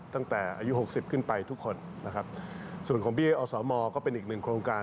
ตั้งแต่อายุ๖๐ขึ้นไปทุกคนส่วนของเบี้ยออสมก็เป็นอีกหนึ่งโครงการ